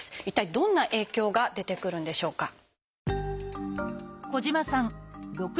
一体どんな影響が出てくるんでしょうか。